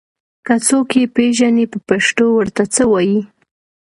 که څوک يې پېژني په پښتو ور ته څه وايي